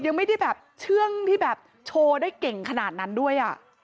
ยังไม่ได้แบบเชื่องที่แบบโชว์ได้เก่งขนาดนั้นด้วยอ่ะ